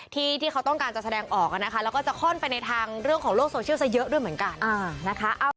ที่เขาต้องการจะแสดงออกนะคะแล้วก็จะค่อนไปในทางเรื่องของโลกโซเชียลซะเยอะด้วยเหมือนกันนะคะ